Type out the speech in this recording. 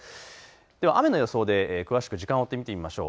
では雨の予想で詳しく時間を追って見てみましょう。